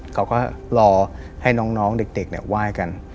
เขาก็รอให้น้องเด็กไหว้กัน